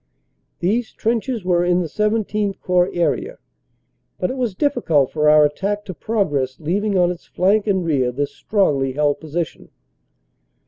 These trenches were in the XVII Corps area, but it was difficult for our attack to progress leav ing on its flank and rear this strongly held position.